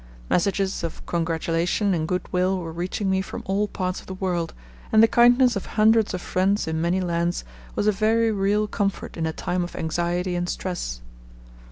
Messages of congratulation and goodwill were reaching me from all parts of the world, and the kindness of hundreds of friends in many lands was a very real comfort in a time of anxiety and stress.